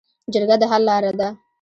جرګه د حل لاره ده